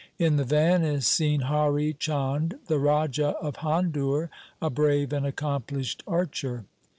In the van is seen Hari Chand, the Raja of Handur, a brave and accomplished archer.'